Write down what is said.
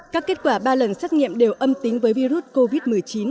các kết quả ba lần xét nghiệm đều âm tính với virus covid một mươi chín